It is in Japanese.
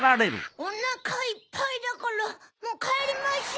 おなかいっぱいだからもうかえりましょ！